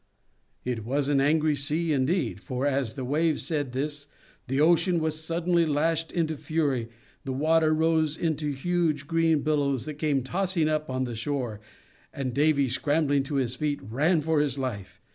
It was an angry sea, indeed; for, as the Wave said this, the ocean was suddenly lashed into fury, the water rose into huge, green billows that came tossing up on the shore, and Davy, scrambling to his feet, ran for his life.